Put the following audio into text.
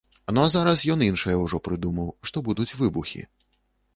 Ну а зараз ён іншае ўжо прыдумаў, што будуць выбухі.